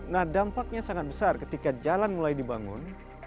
nah dampaknya sangat besar ketika jalan mulai dibangun